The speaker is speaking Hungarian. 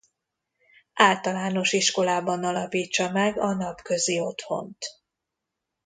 Általános Iskolában alapítsa meg a napközi otthont.